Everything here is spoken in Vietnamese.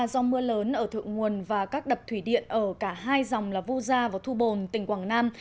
do mưa lớn ở thượng nguồn và các đập thủy điện ở cả hai dòng là vu gia và thu bồn tỉnh quảng nam